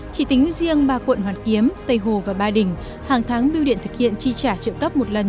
chỉ tính riêng ba quận hoàn kiếm tây hồ và ba đình hàng tháng biêu điện thực hiện chi trả trợ cấp một lần